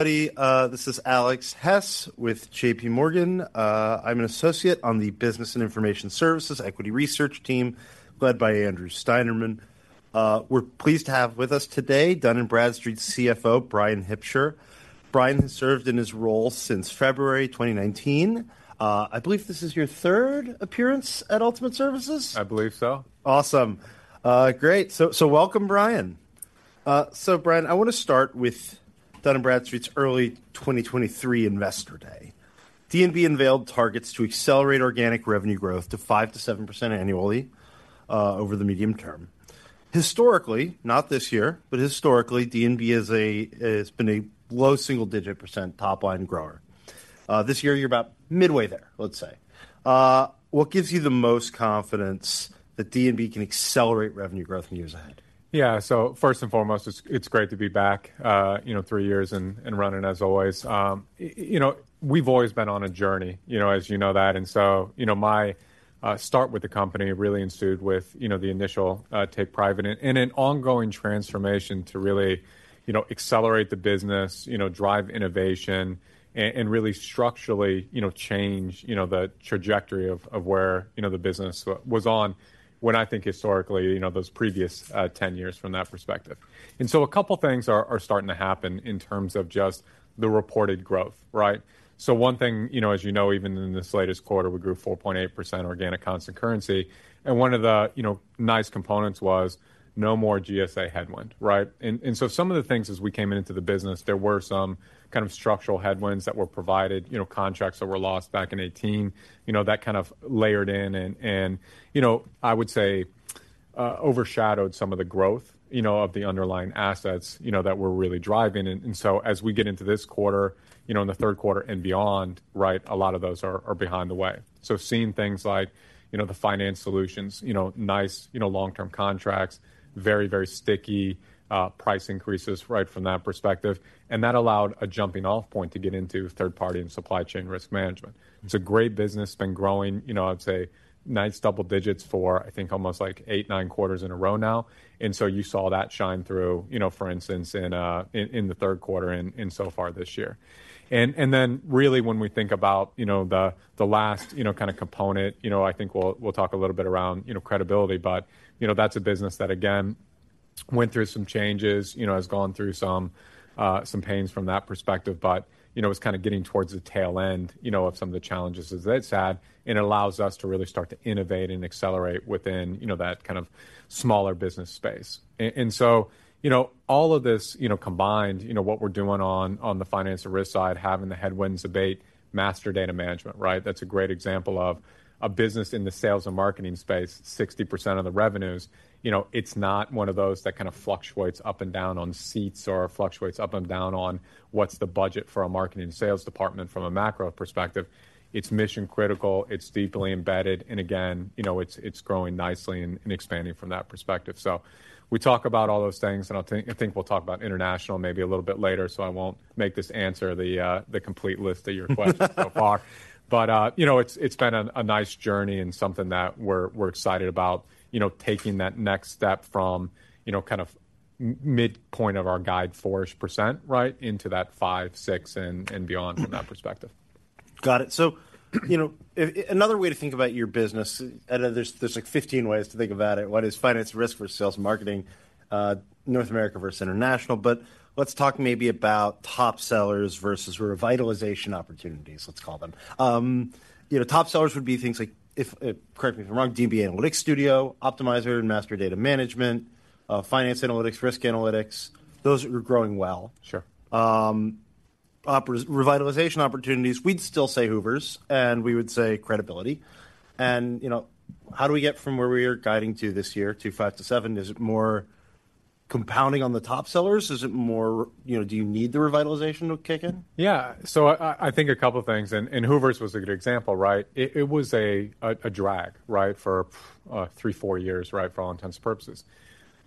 Buddy, this is Alex Hess with J.P. Morgan. I'm an associate on the Business and Information Services Equity Research team, led by Andrew Steinerman. We're pleased to have with us today Dun & Bradstreet's CFO, Bryan Hipsher. Bryan has served in his role since February 2019. I believe this is your third appearance at Ultimate Services? I believe so. Awesome. Great. So, so welcome, Bryan. So Bryan, I want to start with Dun & Bradstreet's early 2023 Investor Day. D&B unveiled targets to accelerate organic revenue growth to 5%-7% annually over the medium term. Historically, not this year, but historically, D&B is it's been a low single-digit % top-line grower. This year you're about midway there, let's say. What gives you the most confidence that D&B can accelerate revenue growth in years ahead? Yeah. So first and foremost, it's great to be back, you know, three years and running as always. You know, we've always been on a journey, you know, as you know that, and so, you know, my start with the company really ensued with the initial take private and an ongoing transformation to really accelerate the business, you know, drive innovation, and really structurally change the trajectory of where the business was on when I think historically, you know, those previous ten years from that perspective. And so a couple things are starting to happen in terms of just the reported growth, right? So one thing, you know, as you know, even in this latest quarter, we grew 4.8% organic constant currency, and one of the, you know, nice components was no more GSA headwind, right? And so some of the things as we came into the business, there were some kind of structural headwinds that were provided, you know, contracts that were lost back in 2018. You know, that kind of layered in and, you know, I would say overshadowed some of the growth, you know, of the underlying assets, you know, that we're really driving. And so as we get into this quarter, you know, in the third quarter and beyond, right, a lot of those are behind the way. So seeing things like, you know, the finance solutions, you know, nice, you know, long-term contracts, very, very sticky, price increases, right from that perspective. And that allowed a jumping off point to get into third-party and supply chain risk management. It's a great business, been growing, you know, I'd say nice double digits for, I think, almost like 8, 9 quarters in a row now. And so you saw that shine through, you know, for instance, in the third quarter and so far this year. And then really when we think about, you know, the last, you know, kind of component, you know, I think we'll talk a little bit around, you know, credibility, but, you know, that's a business that, again, went through some changes, you know, has gone through some pains from that perspective. But, you know, it's kind of getting towards the tail end, you know, of some of the challenges as they'd said, and allows us to really start to innovate and accelerate within, you know, that kind of smaller business space. And so, you know, all of this, you know, combined, you know, what we're doing on the finance and risk side, having the headwinds abate, Master Data Management, right? That's a great example of a business in the sales and marketing space, 60% of the revenues. You know, it's not one of those that kind of fluctuates up and down on seats or fluctuates up and down on what's the budget for our marketing sales department from a macro perspective. It's mission critical, it's deeply embedded, and again, you know, it's growing nicely and expanding from that perspective. So we talk about all those things, and I think we'll talk about international maybe a little bit later, so I won't make this answer the complete list of your questions so far. But you know, it's been a nice journey and something that we're excited about, you know, taking that next step from, you know, kind of midpoint of our guide 4-ish%, right, into that 5, 6, and beyond from that perspective. Got it. So, you know, another way to think about your business, and there's, like, 15 ways to think about it. What is finance risk versus sales and marketing, North America versus international? But let's talk maybe about top sellers versus revitalization opportunities, let's call them. You know, top sellers would be things like if... correct me if I'm wrong, D&B Analytics Studio, Optimizer, Master Data Management, Finance Analytics, Risk Analytics, those are growing well. Sure. Revitalization opportunities, we'd still say Hoover's, and we would say credibility. And, you know, how do we get from where we are guiding to this year, to 5-7? Is it more compounding on the top sellers? Is it more... You know, do you need the revitalization to kick in? Yeah. So I think a couple of things, and Hoover's was a good example, right? It was a drag, right, for 3-4 years, right, for all intents and purposes.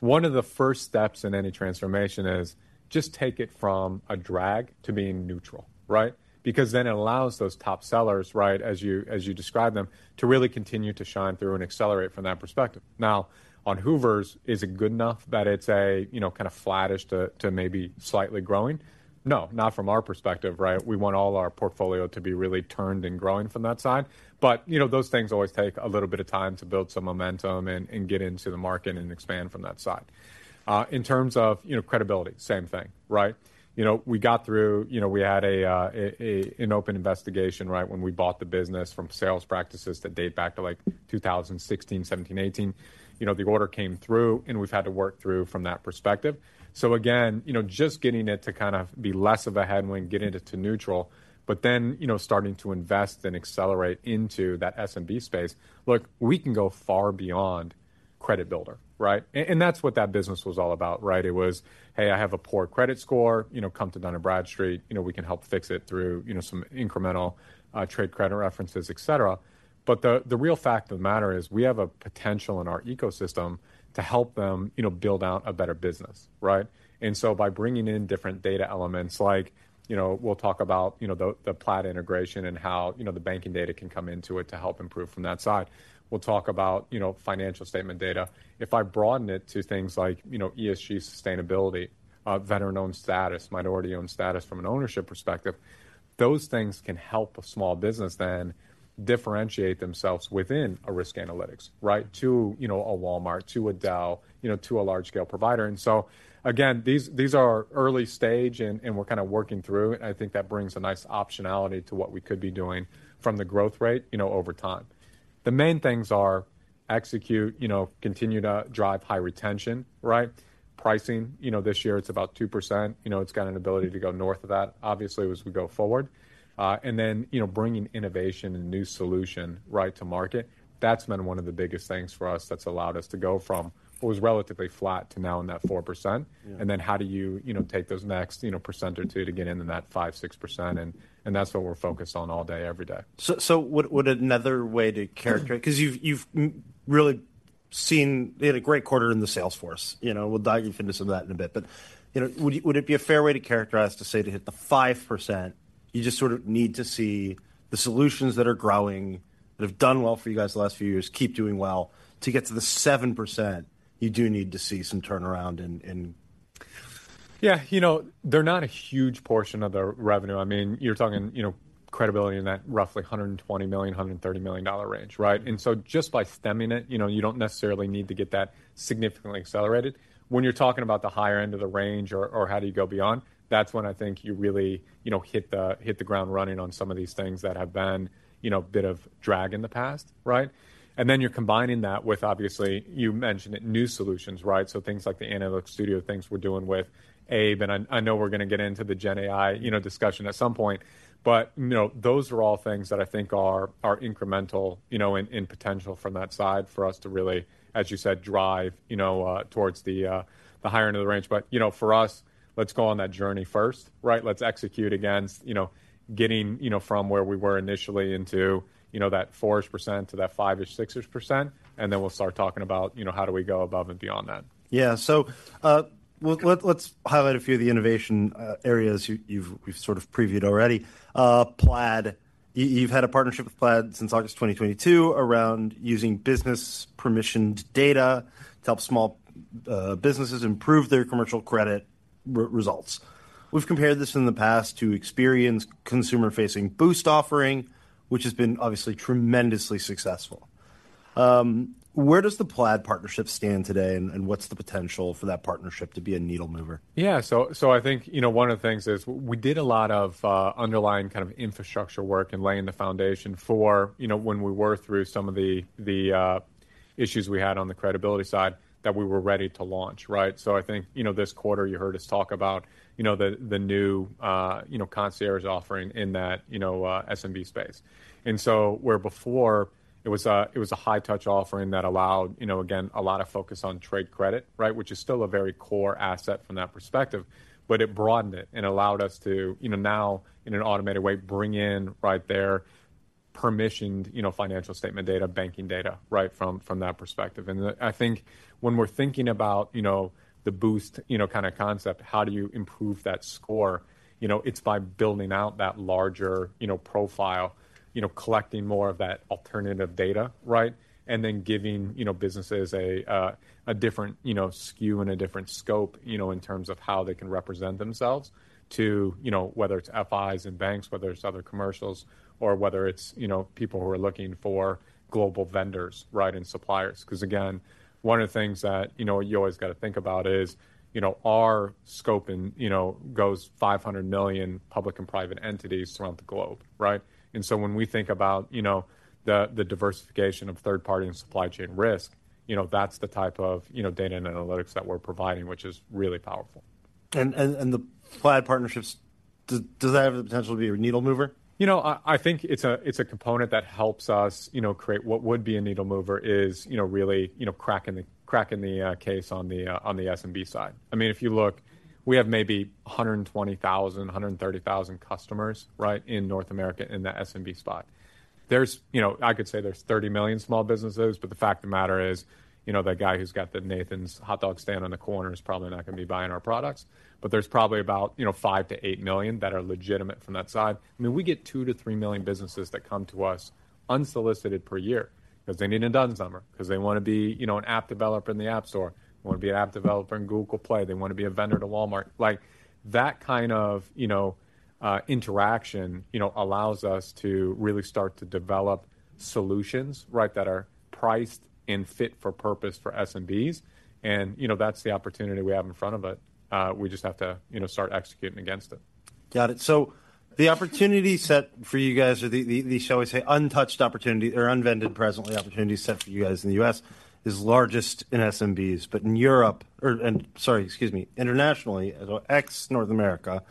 One of the first steps in any transformation is just take it from a drag to being neutral, right? Because then it allows those top sellers, right, as you describe them, to really continue to shine through and accelerate from that perspective. Now, on Hoover's, is it good enough that it's a, you know, kind of flattish to maybe slightly growing? No, not from our perspective, right? We want all our portfolio to be really turned and growing from that side. But, you know, those things always take a little bit of time to build some momentum and get into the market and expand from that side. In terms of, you know, credibility, same thing, right? You know, we got through... You know, we had an open investigation, right, when we bought the business from sales practices that date back to, like, 2016, 2017, 2018. You know, the order came through, and we've had to work through from that perspective. So again, you know, just getting it to kind of be less of a headwind, getting it to neutral, but then, you know, starting to invest and accelerate into that SMB space. Look, we can go far beyond CreditBuilder, right? That's what that business was all about, right? It was, "Hey, I have a poor credit score, you know, come to Dun & Bradstreet. You know, we can help fix it through, you know, some incremental trade credit references, et cetera." But the real fact of the matter is, we have a potential in our ecosystem to help them, you know, build out a better business, right? And so by bringing in different data elements like, you know, we'll talk about, you know, the Plaid integration and how, you know, the banking data can come into it to help improve from that side. We'll talk about, you know, financial statement data. If I broaden it to things like, you know, ESG, sustainability, veteran-owned status, minority-owned status from an ownership perspective, those things can help a small business then differentiate themselves within a risk analytics, right? To, you know, a Walmart, to a Dow, you know, to a large-scale provider. And so again, these, these are early stage, and, and we're kind of working through, and I think that brings a nice optionality to what we could be doing from the growth rate, you know, over time. The main things are execute, you know, continue to drive high retention, right? Pricing, you know, this year it's about 2%. You know, it's got an ability to go north of that, obviously, as we go forward. And then, you know, bringing innovation and new solution right to market, that's been one of the biggest things for us that's allowed us to go from what was relatively flat to now in that 4%. Yeah. How do you, you know, take those next, you know, 1% or 2% to get into that 5-6%? And, and that's what we're focused on all day, every day. So, would another way to characterize- Mm-hmm. 'Cause you've really seen... They had a great quarter in the sales force. You know, we'll dive into some of that in a bit. But, you know, would it be a fair way to characterize to say to hit the 5%, you just sort of need to see the solutions that are growing, that have done well for you guys the last few years, keep doing well. To get to the 7%, you do need to see some turnaround in... Yeah. You know, they're not a huge portion of the revenue. I mean, you're talking, you know, credibility in that roughly $120,000,000-$130,000,000 range, right? And so just by stemming it, you know, you don't necessarily need to get that significantly accelerated. When you're talking about the higher end of the range or, or how do you go beyond, that's when I think you really, you know, hit the, hit the ground running on some of these things that have been, you know, a bit of drag in the past, right? And then you're combining that with, obviously, you mentioned it, new solutions, right? So things like the Analytics Studio, things we're doing with AI, and I, I know we're going to get into the GenAI, you know, discussion at some point. You know, those are all things that I think are incremental, you know, in potential from that side for us to really, as you said, drive, you know, towards the higher end of the range. You know, for us, let's go on that journey first, right? Let's execute against, you know, getting, you know, from where we were initially into, you know, that 4-ish% to that 5-ish, 6-ish%, and then we'll start talking about, you know, how do we go above and beyond that. Yeah. So, well, let's highlight a few of the innovation areas you've sort of previewed already. Plaid. You've had a partnership with Plaid since August 2022 around using business permissioned data to help small businesses improve their commercial credit results. We've compared this in the past to Experian's consumer-facing Boost offering, which has been obviously tremendously successful. Where does the Plaid partnership stand today, and what's the potential for that partnership to be a needle mover? Yeah. So I think, you know, one of the things is we did a lot of underlying kind of infrastructure work and laying the foundation for, you know, when we were through some of the issues we had on the credibility side, that we were ready to launch, right? So I think, you know, this quarter you heard us talk about, you know, the new, you know, concierge offering in that, you know, SMB space. And so where before it was a high-touch offering that allowed, you know, again, a lot of focus on trade credit, right? Which is still a very core asset from that perspective, but it broadened it and allowed us to, you know, now in an automated way, bring in right there permissioned, you know, financial statement data, banking data, right from that perspective. And I think when we're thinking about, you know, the Boost, you know, kind of concept, how do you improve that score? You know, it's by building out that larger, you know, profile, you know, collecting more of that alternative data, right? And then giving, you know, businesses a a different, you know, SKU and a different scope, you know, in terms of how they can represent themselves to... you know, whether it's FIs and banks, whether it's other commercials, or whether it's, you know, people who are looking for global vendors, right, and suppliers. Because, again, one of the things that, you know, you always got to think about is, you know, our scope and, you know, goes 500,000,000 public and private entities throughout the globe, right? When we think about, you know, the diversification of third-party and supply chain risk, you know, that's the type of, you know, data and analytics that we're providing, which is really powerful. And the Plaid partnerships, does that have the potential to be a needle mover? You know, I think it's a component that helps us, you know, create what would be a needle mover, is, you know, really, you know, cracking the case on the SMB side. I mean, if you look, we have maybe 120,000-130,000 customers, right, in North America, in the SMB spot. There's. You know, I could say there's 30,000,000 small businesses, but the fact of the matter is, you know, that guy who's got the Nathan's hot dog stand on the corner is probably not going to be buying our products, but there's probably about, you know, 5,000,000-8,000,000 that are legitimate from that side. I mean, we get 2,000,000-3,000,000 businesses that come to us unsolicited per year because they need a D-U-N-S number. Because they want to be, you know, an app developer in the App Store, or want to be an app developer in Google Play, they want to be a vendor to Walmart. Like that kind of, you know, interaction, you know, allows us to really start to develop solutions, right, that are priced and fit for purpose for SMBs, and, you know, that's the opportunity we have in front of it. We just have to, you know, start executing against it. Got it. So the opportunity set for you guys are the, shall we say, untouched opportunity or unvended presently opportunity set for you guys in the U.S. is largest in SMBs, but in Europe or and sorry, excuse me, internationally, so ex-North America,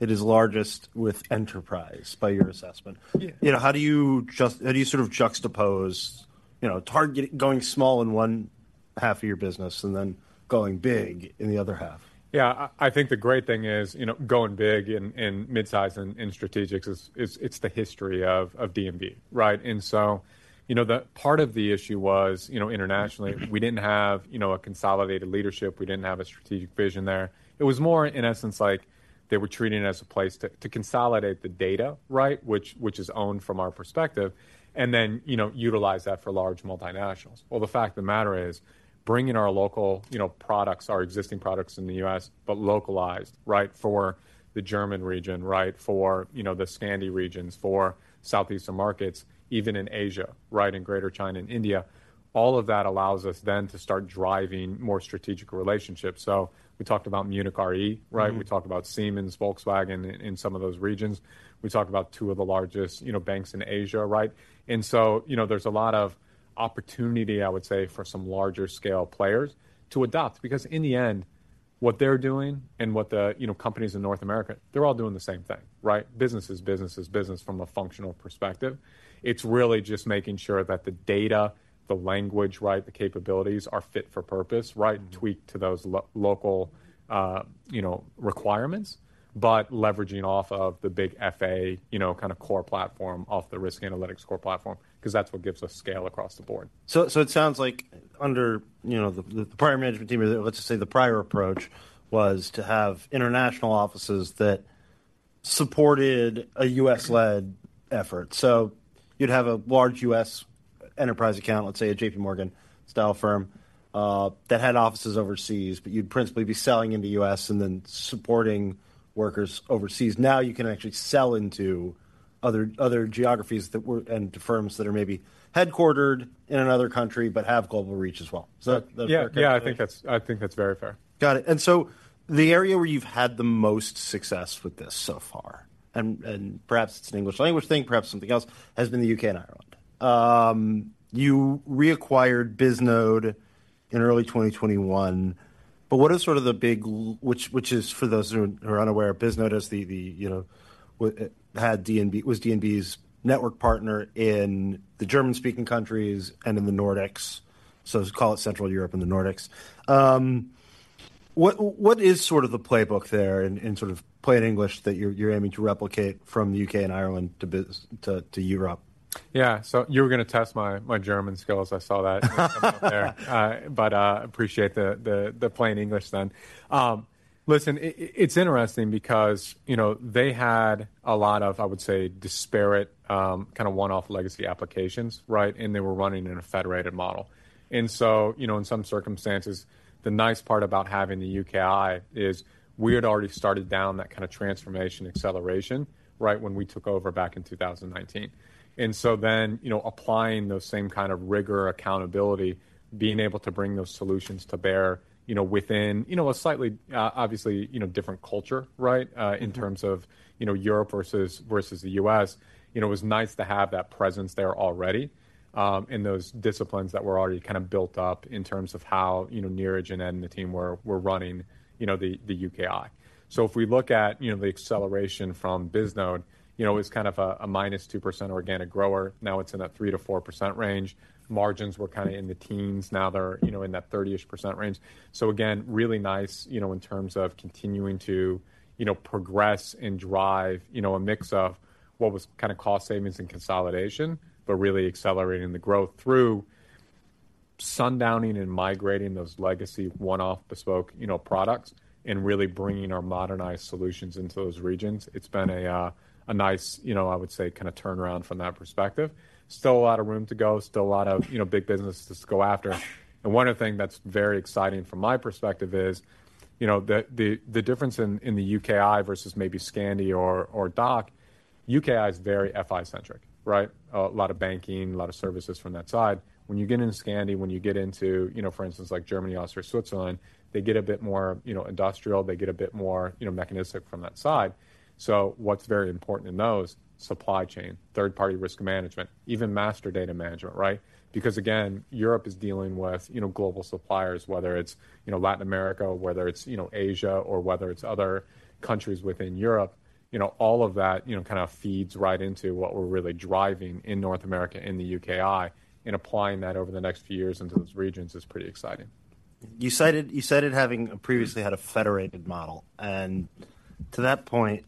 it is largest with enterprise by your assessment. Yeah. You know, how do you sort of juxtapose, you know, targeting going small in one half of your business and then going big in the other half? Yeah. I think the great thing is, you know, going big in midsize and in strategics is—it's the history of D&B, right? And so, you know, the part of the issue was, you know, internationally, we didn't have, you know, a consolidated leadership. We didn't have a strategic vision there. It was more, in essence, like they were treating it as a place to consolidate the data, right? Which is owned from our perspective, and then, you know, utilize that for large multinationals. Well, the fact of the matter is, bringing our local, you know, products, our existing products in the US, but localized, right, for the German region, right, for, you know, the Scandi regions, for Southeastern markets, even in Asia, right, in Greater China and India, all of that allows us then to start driving more strategic relationships. We talked about Munich Re, right? Mm-hmm. We talked about Siemens, Volkswagen, in some of those regions. We talked about two of the largest, you know, banks in Asia, right? And so, you know, there's a lot of opportunity, I would say, for some larger scale players to adopt. Because in the end, what they're doing and what the, you know, companies in North America, they're all doing the same thing, right? Business is business is business from a functional perspective. It's really just making sure that the data, the language, right, the capabilities are fit for purpose, right? Mm-hmm. Tweaked to those local, you know, requirements, but leveraging off of the big FA, you know, kind of core platform, off the risk analytics core platform, 'cause that's what gives us scale across the board. So it sounds like under, you know, the prior management team, or let's just say the prior approach, was to have international offices that supported a U.S.-led effort. So you'd have a large U.S. enterprise account, let's say a J.P. Morgan-style firm, that had offices overseas, but you'd principally be selling in the U.S. and then supporting workers overseas. Now you can actually sell into other geographies and to firms that are maybe headquartered in another country but have global reach as well. Is that fair? Yeah. Yeah, I think that's, I think that's very fair. Got it. And so the area where you've had the most success with this so far, and, and perhaps it's an English language thing, perhaps something else, has been the UK and Ireland. You reacquired Bisnode in early 2021, but what is sort of the big... Which, which is for those who are, are unaware, Bisnode is the, the, you know, had D&B-- was D&B's network partner in the German-speaking countries and in the Nordics, so call it Central Europe and the Nordics. What, what is sort of the playbook there in, in sort of plain English, that you're, you're aiming to replicate from the UK and Ireland to biz-- to, to Europe? Yeah. So you were gonna test my German skills. I saw that out there. But appreciate the plain English then. Listen, it's interesting because, you know, they had a lot of, I would say, disparate kind of one-off legacy applications, right? And they were running in a federated model. And so, you know, in some circumstances, the nice part about having the UKI is we had already started down that kind of transformation acceleration, right, when we took over back in 2019. And so then, you know, applying those same kind of rigor, accountability, being able to bring those solutions to bear, you know, within a slightly, obviously, you know, different culture, right? Mm-hmm. In terms of, you know, Europe versus the US, you know, it was nice to have that presence there already, in those disciplines that were already kind of built up in terms of how, you know, Neeraj and Ed and the team were running, you know, the UKI. So if we look at, you know, the acceleration from Bisnode, you know, it was kind of a -2% organic grower, now it's in a 3%-4% range. Margins were kind of in the teens, now they're, you know, in that 30-ish% range. So again, really nice, you know, in terms of continuing to, you know, progress and drive, you know, a mix of what was kind of cost savings and consolidation, but really accelerating the growth through sundowning and migrating those legacy one-off bespoke, you know, products, and really bringing our modernized solutions into those regions. It's been a, a nice, you know, I would say, kind of turnaround from that perspective. Still a lot of room to go, still a lot of, you know, big businesses to go after. And one other thing that's very exciting from my perspective is, you know, the difference in the UKI versus maybe Scandi or DACH. UKI is very FI-centric, right? A lot of banking, a lot of services from that side. When you get into Scandi, when you get into, you know, for instance, like Germany, Austria, Switzerland, they get a bit more, you know, industrial, they get a bit more, you know, mechanistic from that side. So what's very important in those, supply chain, third-party risk management, even master data management, right? Because, again, Europe is dealing with, you know, global suppliers, whether it's, you know, Latin America, whether it's, you know, Asia, or whether it's other countries within Europe. You know, all of that, you know, kind of feeds right into what we're really driving in North America, in the UKI, and applying that over the next few years into those regions is pretty exciting. You cited, you cited having previously had a federated model, and to that point,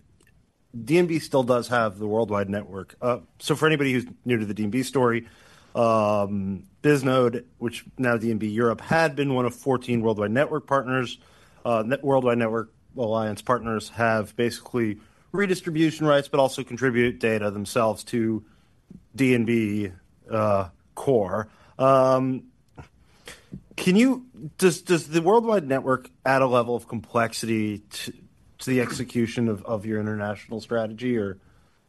D&B still does have the worldwide network. So for anybody who's new to the D&B story, Bisnode, which now D&B Europe, had been one of 14 worldwide network partners. Worldwide network alliance partners have basically redistribution rights, but also contribute data themselves to D&B core. Can you—does, does the worldwide network add a level of complexity to, to the execution of, of your international strategy, or,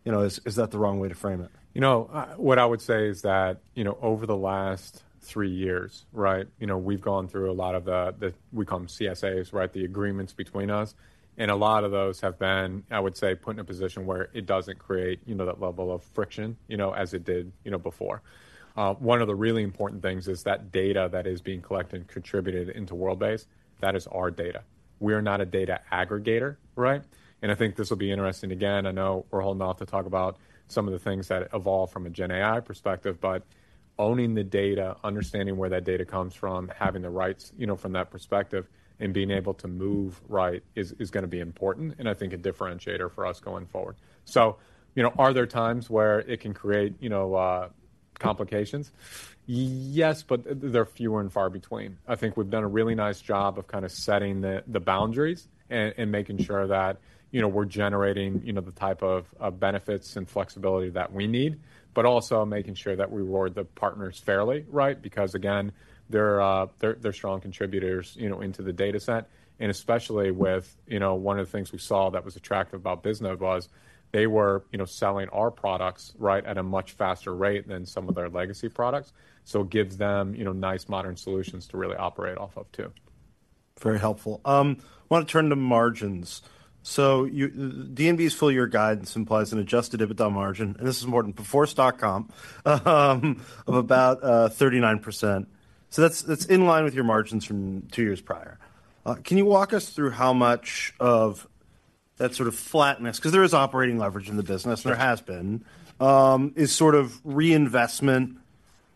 you know, is, is that the wrong way to frame it? You know, what I would say is that, you know, over the last three years, right, you know, we've gone through a lot of the, we call them CSAs, right? The agreements between us, and a lot of those have been, I would say, put in a position where it doesn't create, you know, that level of friction, you know, as it did, you know, before. One of the really important things is that data that is being collected and contributed into WorldBase, that is our data. We are not a data aggregator, right? And I think this will be interesting. Again, I know we're holding off to talk about some of the things that evolve from a GenAI perspective, but owning the data, understanding where that data comes from, having the rights, you know, from that perspective, and being able to move right, is gonna be important, and I think a differentiator for us going forward. So, you know, are there times where it can create, you know, complications? Yes, but they're fewer and far between. I think we've done a really nice job of kind of setting the boundaries and making sure that, you know, we're generating, you know, the type of benefits and flexibility that we need, but also making sure that we reward the partners fairly, right? Because, again, they're strong contributors, you know, into the dataset. And especially with, you know, one of the things we saw that was attractive about Bisnode was they were, you know, selling our products, right, at a much faster rate than some of their legacy products. So it gives them, you know, nice modern solutions to really operate off of too. Very helpful. I want to turn to margins. So, D&B's full year guidance implies an Adjusted EBITDA margin, and this is more than performance.com of about 39%. So that's in line with your margins from two years prior. Can you walk us through how much of that sort of flatness, because there is operating leverage in the business, there has been, is sort of reinvestment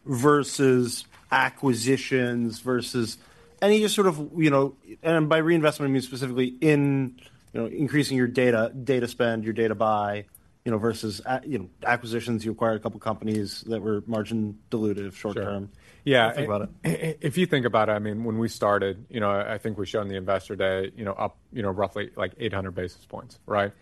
versus acquisitions versus any just sort of, you know. And by reinvestment, I mean specifically in increasing your data, data spend, your data buy, you know, versus acquisitions. You acquired a couple companies that were margin diluted short term. Sure. Yeah. Think about it. If you think about it, I mean, when we started, you know, I think we showed on the Investor Day, you know, up, you know, roughly like 800 basis points, right?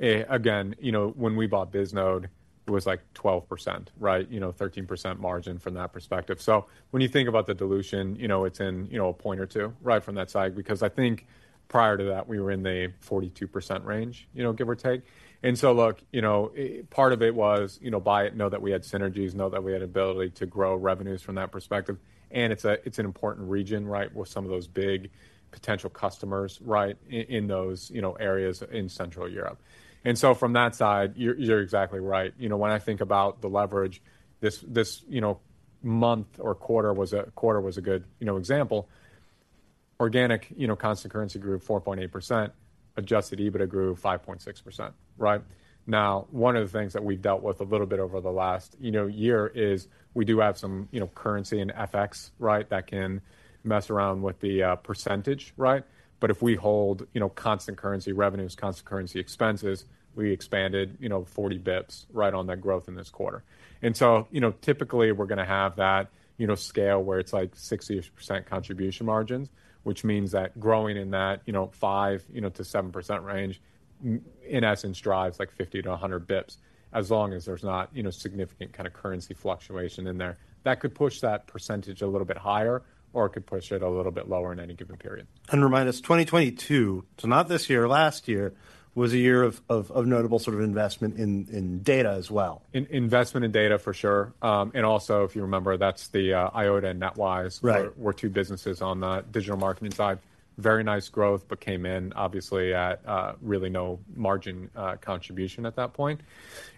Again, you know, when we bought Bisnode, it was like 12%, right? You know, 13% margin from that perspective. So when you think about the dilution, you know, it's in, you know, a point or two, right from that side. Because I think prior to that, we were in the 42% range, you know, give or take. And so, look, you know, part of it was, you know, buy it, know that we had synergies, know that we had ability to grow revenues from that perspective, and it's a- it's an important region, right? With some of those big potential customers, right, i- in those, you know, areas in Central Europe. From that side, you're exactly right. You know, when I think about the leverage, this quarter was a good, you know, example. Organic constant currency grew 4.8%. Adjusted EBITDA grew 5.6%, right? Now, one of the things that we've dealt with a little bit over the last, you know, year is we do have some, you know, currency in FX, right? That can mess around with the percentage, right? But if we hold, you know, constant currency revenues, constant currency expenses, we expanded, you know, 40 bps right on that growth in this quarter. So, you know, typically we're gonna have that, you know, scale where it's like 60% contribution margins, which means that growing in that, you know, 5%-7% range, in essence, drives like 50-100 bips, as long as there's not, you know, significant kind of currency fluctuation in there. That could push that percentage a little bit higher, or it could push it a little bit lower in any given period. Remind us, 2022, so not this year, last year, was a year of notable sort of investment in data as well. Investment in data, for sure. And also, if you remember, that's the Eyeota and NetWise- Right -were two businesses on the digital marketing side. Very nice growth, but came in obviously at, really no margin, contribution at that point.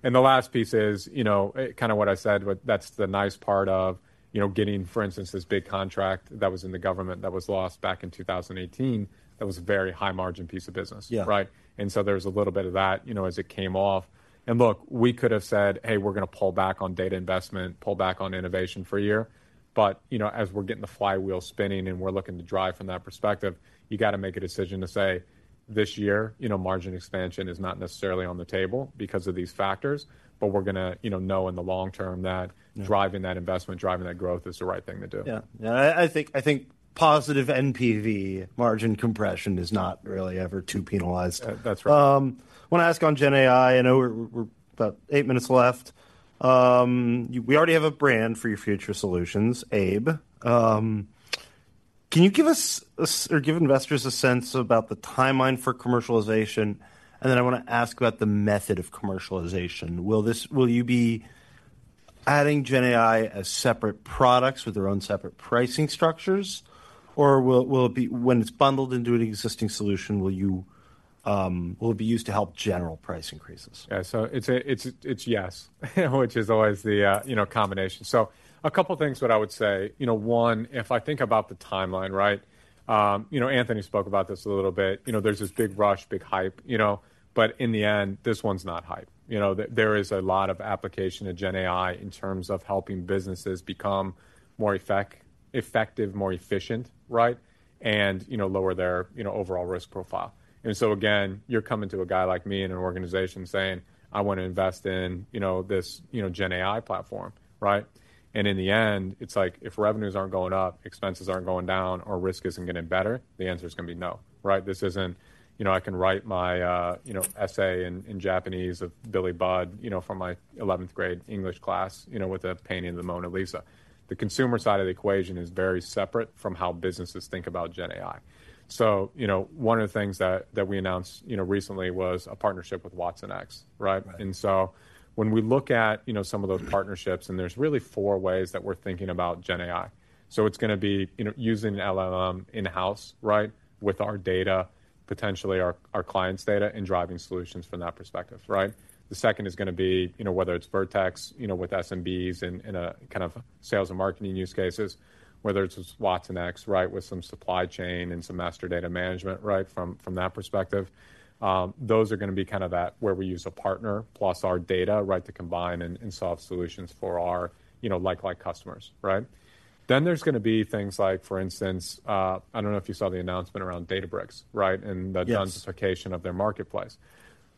And the last piece is, you know, kind of what I said, but that's the nice part of, you know, getting, for instance, this big contract that was in the government, that was lost back in 2018. That was a very high-margin piece of business. Yeah. Right? And so there's a little bit of that, you know, as it came off. And look, we could have said, "Hey, we're gonna pull back on data investment, pull back on innovation for a year." But, you know, as we're getting the flywheel spinning and we're looking to drive from that perspective, you got to make a decision to say: This year, you know, margin expansion is not necessarily on the table because of these factors, but we're gonna, you know, know in the long term that- Mm Driving that investment, driving that growth is the right thing to do. Yeah. Yeah, I think positive NPV margin compression is not really ever too penalized. That's right. Want to ask on GenAI, I know we're about eight minutes left. We already have a brand for your future solutions, AI. Can you give us or give investors a sense about the timeline for commercialization? And then I want to ask about the method of commercialization. Will you be adding GenAI as separate products with their own separate pricing structures, or will it be when it's bundled into the existing solution, will it be used to help general price increases? Yeah, so it's yes, which is always the, you know, combination. So a couple things what I would say, you know, one, if I think about the timeline, right? You know, Anthony spoke about this a little bit. You know, there's this big rush, big hype, you know, but in the end, this one's not hype. You know, there is a lot of application to GenAI in terms of helping businesses become more effective, more efficient, right? And, you know, lower their, you know, overall risk profile. And so again, you're coming to a guy like me in an organization saying, "I want to invest in, you know, this, you know, GenAI platform," right? And in the end, it's like, if revenues aren't going up, expenses aren't going down, or risk isn't getting better, the answer is gonna be no, right? This isn't, you know, I can write my, you know, essay in Japanese of Billy Budd, you know, from my eleventh-grade English class, you know, with a painting of the Mona Lisa. The consumer side of the equation is very separate from how businesses think about GenAI. So, you know, one of the things that we announced, you know, recently was a partnership with watsonx, right? Right. And so when we look at, you know, some of those partnerships, and there's really 4 ways that we're thinking about GenAI. So it's gonna be, you know, using LLM in-house, right? With our data, potentially our, our clients' data, and driving solutions from that perspective, right? The second is gonna be, you know, whether it's Vertex, you know, with SMBs in, in a kind of sales and marketing use cases, whether it's with watsonx, right? With some supply chain and some master data management, right? From, from that perspective. Those are gonna be kind of that, where we use a partner plus our data, right, to combine and, and solve solutions for our, you know, like, like customers, right? Then there's gonna be things like, for instance, I don't know if you saw the announcement around Databricks, right? Yes. The justification of their marketplace.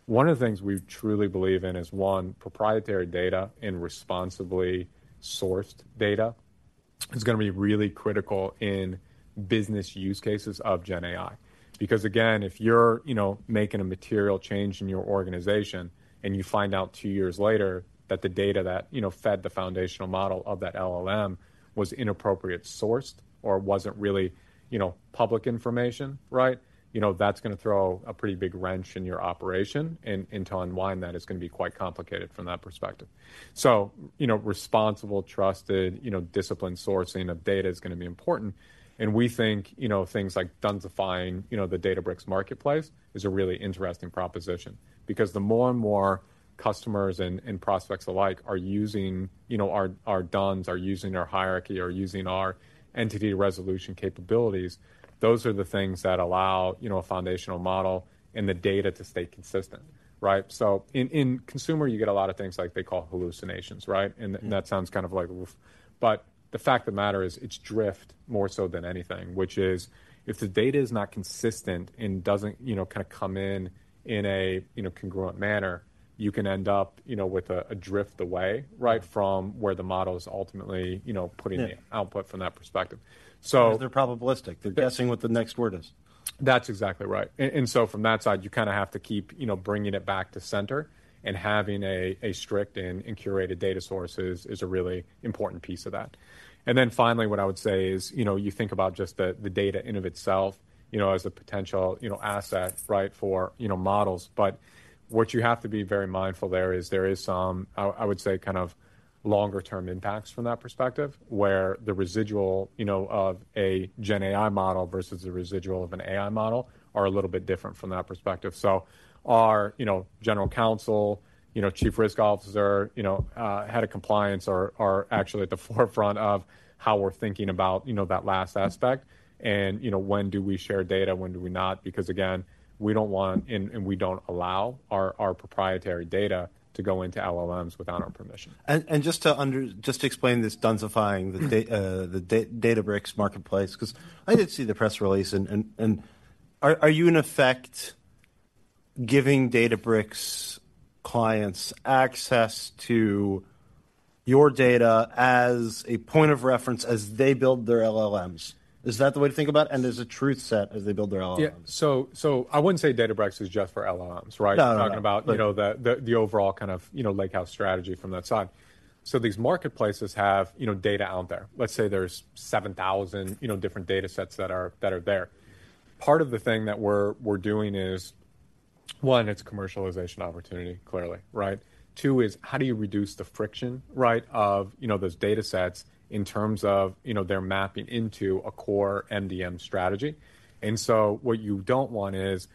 One of the things we truly believe in is, one, proprietary data and responsibly sourced data is gonna be really critical in business use cases of GenAI. Because, again, if you're, you know, making a material change in your organization, and you find out two years later that the data that, you know, fed the foundational model of that LLM was inappropriately sourced or wasn't really you know, public information, right? You know, that's gonna throw a pretty big wrench in your operation, and to unwind that is gonna be quite complicated from that perspective. So, you know, responsible, trusted, you know, disciplined sourcing of data is gonna be important. And we think, you know, things like D&B for, you know, the Databricks marketplace, is a really interesting proposition. Because the more and more customers and prospects alike are using, you know, our D-U-N-S, are using our hierarchy or using our entity resolution capabilities, those are the things that allow, you know, a foundational model and the data to stay consistent, right? So in consumer, you get a lot of things like they call hallucinations, right? Mm-hmm. That sounds kind of like, oof, but the fact of the matter is, it's drift more so than anything, which is if the data is not consistent and doesn't, you know, kinda come in a, you know, congruent manner, you can end up, you know, with a drift away, right? From where the model is ultimately, you know- Yeah putting the output from that perspective. So- They're probabilistic. Yeah. They're guessing what the next word is. That's exactly right. And so from that side, you kinda have to keep, you know, bringing it back to center and having a strict and curated data source is a really important piece of that. And then finally, what I would say is, you know, you think about just the data in of itself, you know, as a potential, you know, asset, right? For, you know, models. But what you have to be very mindful there is there is some, I would say, kind of longer term impacts from that perspective, where the residual, you know, of a Gen AI model versus a residual of an AI model are a little bit different from that perspective. So our General Counsel, you know, Chief Risk Officer, you know, Head of Compliance are actually at the forefront of how we're thinking about, you know, that last aspect. Mm. You know, when do we share data, when do we not? Because, again, we don't want, and we don't allow our proprietary data to go into LLMs without our permission. Just to explain this D&B for- Mm... the Databricks marketplace, 'cause I did see the press release. And are you, in effect, giving Databricks clients access to your data as a point of reference as they build their LLMs? Is that the way to think about it? And there's a truth set as they build their LLMs. Yeah. So, I wouldn't say Databricks is just for LLMs, right? No, no, no. I'm talking about- Right... you know, the overall kind of, you know, lakehouse strategy from that side. So these marketplaces have, you know, data out there. Let's say there's 7,000, you know, different data sets that are there. Part of the thing that we're doing is, one, it's commercialization opportunity, clearly, right? Two is, how do you reduce the friction, right, of, you know, those data sets in terms of, you know, their mapping into a core MDM strategy? And so what you don't want is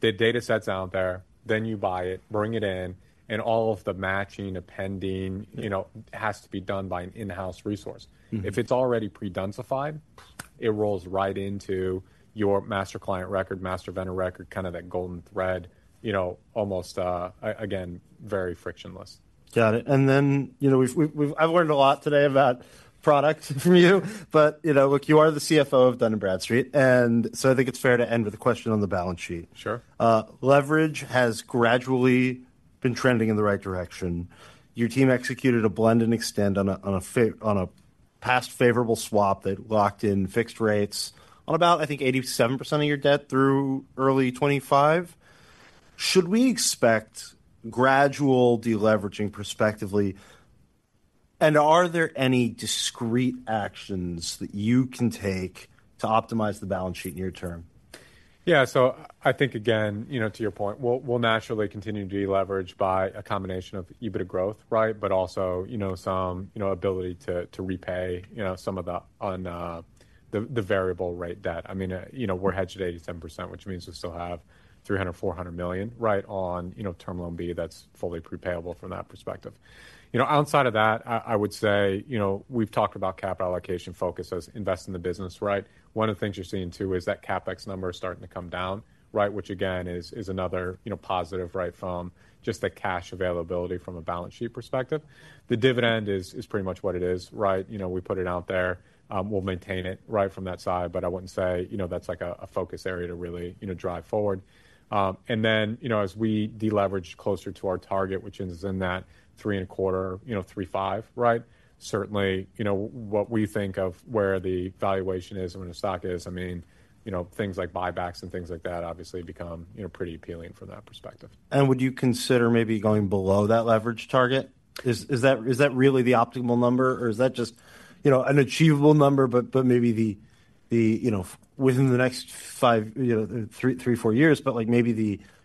the data set's out there, then you buy it, bring it in, and all of the matching, appending- Mm... you know, has to be done by an in-house resource. Mm. If it's already pre-D-U-N-S-ified, it rolls right into your master client record, master vendor record, kind of that golden thread, you know, almost, again, very frictionless. Got it. And then, you know, I've learned a lot today about product from you, but, you know, look, you are the CFO of Dun & Bradstreet, and so I think it's fair to end with a question on the balance sheet. Sure. Leverage has gradually been trending in the right direction. Your team executed a blend and extend on a past favorable swap that locked in fixed rates on about, I think, 87% of your debt through early 2025. Should we expect gradual deleveraging prospectively, and are there any discrete actions that you can take to optimize the balance sheet near term? Yeah. So I think, again, you know, to your point, we'll naturally continue to deleverage by a combination of EBITDA growth, right? But also, you know, some ability to repay, you know, some of the variable rate debt. I mean, you know, we're hedged at 87%, which means we still have $300,000,000-$400,000,000, right, on term loan B that's fully prepayable from that perspective. You know, outside of that, I would say, you know, we've talked about capital allocation focus as invest in the business, right? One of the things you're seeing, too, is that CapEx number is starting to come down, right? Which, again, is another positive, right, from just the cash availability from a balance sheet perspective. The dividend is pretty much what it is, right? You know, we put it out there. We'll maintain it, right, from that side, but I wouldn't say, you know, that's, like, a focus area to really, you know, drive forward. And then, you know, as we deleverage closer to our target, which is in that 3.25-3.5, right? Certainly, you know, what we think of where the valuation is and where the stock is, I mean, you know, things like buybacks and things like that obviously become, you know, pretty appealing from that perspective. Would you consider maybe going below that leverage target? Is that really the optimal number, or is that just, you know, an achievable number, but maybe the you know within the next five, you know, three, four years, but, like, maybe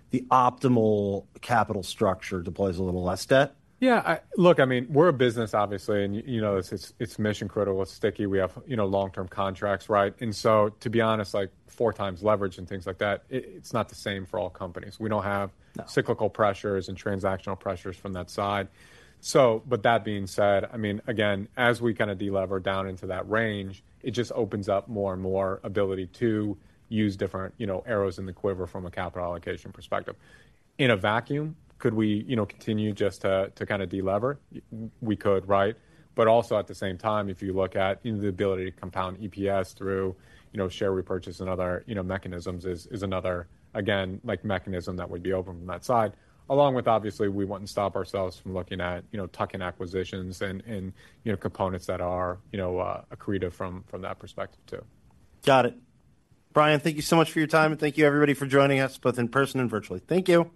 the optimal capital structure deploys a little less debt? Yeah. Look, I mean, we're a business obviously, and you know, it's, it's, it's mission-critical. It's sticky. We have, you know, long-term contracts, right? And so to be honest, like, 4 times leverage and things like that, it, it's not the same for all companies. We don't have- No... cyclical pressures and transactional pressures from that side. So, but that being said, I mean, again, as we kind of delever down into that range, it just opens up more and more ability to use different, you know, arrows in the quiver from a capital allocation perspective. In a vacuum, could we, you know, continue just to kind of delever? We could, right? But also, at the same time, if you look at the ability to compound EPS through, you know, share repurchase and other, you know, mechanisms, is another, again, like, mechanism that would be open from that side. Along with obviously, we wouldn't stop ourselves from looking at, you know, tuck-in acquisitions and, you know, components that are, you know, accretive from that perspective, too. Got it. Bryan, thank you so much for your time, and thank you everybody for joining us, both in person and virtually. Thank you.